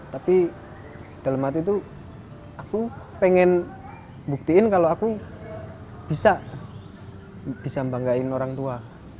tapi dalam hati itu aku pengen buktiin kalau aku bisa bisa membanggakan orang tua